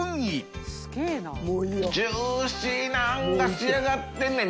ジューシーなあんが仕上がってんねん。